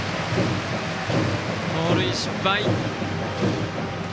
盗塁失敗！